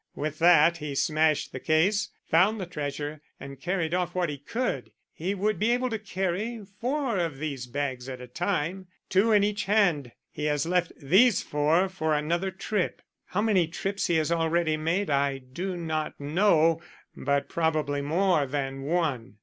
"With that he smashed the case, found the treasure, and carried off what he could. He would be able to carry four of these bags at a time two in each hand. He has left these four for another trip. How many trips he has already made I do not know, but probably more than one."